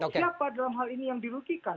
siapa dalam hal ini yang dirugikan